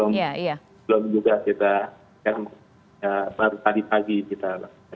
karena belum belum juga kita baru tadi pagi kita lakukan itu